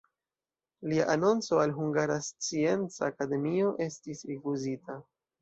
Lia anonco al Hungara Scienca Akademio estis rifuzita.